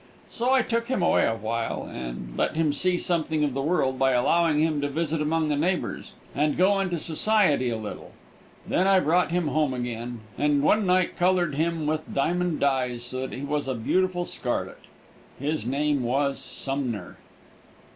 So I took him away awhile, and let him see something of the world by allowing him to visit among the neighbors, and go into society a little. Then I brought him home again, and one night colored him with diamond dyes so that he was a beautiful scarlet. His name was Sumner.